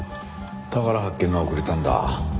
だから発見が遅れたんだ。